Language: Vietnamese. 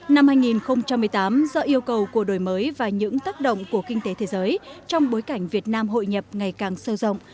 năm hai nghìn một mươi tám do yêu cầu của đổi mới và những tác động của kinh tế thế giới trong bối cảnh việt nam hội nhập ngày càng sâu rộng